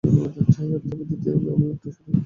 তবে দ্বিতীয় অভিমতটিই সঠিক।